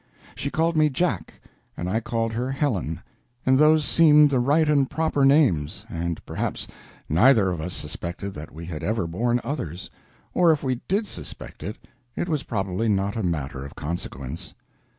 She called me Jack and I called her Helen, and those seemed the right and proper names, and perhaps neither of us suspected that we had ever borne others; or, if we did suspect it, it was probably not a matter of consequence.